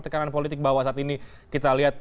tekanan politik bahwa saat ini kita lihat